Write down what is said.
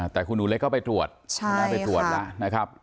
แต่คุณหนูเล็กก็ไปตรวจนะครับ